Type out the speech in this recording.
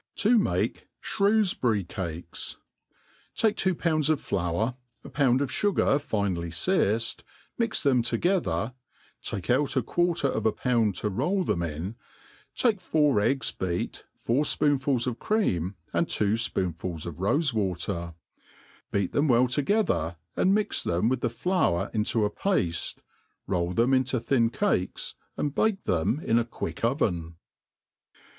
To mah Shrewflury Cahs. TAKE two pounds of flour, a pound of fugar finely fearced, mix them together (takeout a quarter of a pound to roll them iJDi}; take four eggs beat, four fpoonfuls of cream, and two fpoonfuls of rofe water ; beat them well together, and mix them with the flour into a pafte, roll them into thin cakes, and bake them in a quick oven.